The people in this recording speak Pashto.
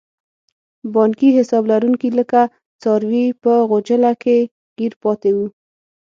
بانکي حساب لرونکي لکه څاروي په غوچله کې ګیر پاتې وو.